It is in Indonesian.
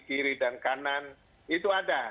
kiri dan kanan itu ada